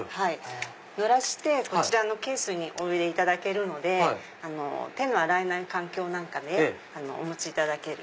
濡らしてこちらのケースにお入れいただけるので手の洗えない環境なんかでお持ちいただける。